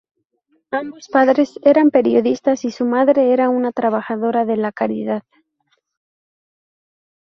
Ambos padres eran periodistas y su madre era una trabajadora de la caridad.